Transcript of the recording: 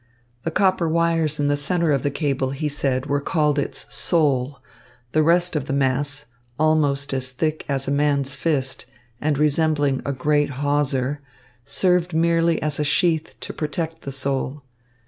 The copper wires in the centre of the cable, he said, were called its soul, the rest of the mass, almost as thick as a man's fist and resembling a great hawser, served merely as a sheath to protect the soul.